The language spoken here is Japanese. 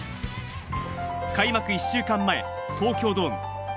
開幕１週間前、東京ドーム。